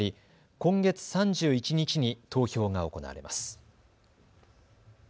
今月３１日に投票が行われます。